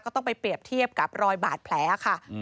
ต้องไปเปรียบเทียบกับรอยบาดแผลค่ะ